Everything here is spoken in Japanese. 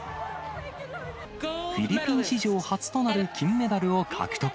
フィリピン史上初となる金メダルを獲得。